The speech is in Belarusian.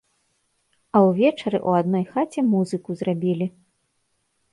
А ўвечары ў адной хаце музыку зрабілі.